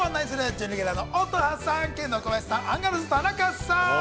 準レギュラーの乙葉さん、ケンドーコバヤシさん、アンガールズ田中さん。